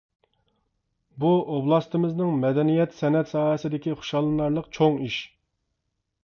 بۇ ئوبلاستىمىزنىڭ مەدەنىيەت، سەنئەت ساھەسىدىكى خۇشاللىنارلىق چوڭ ئىش.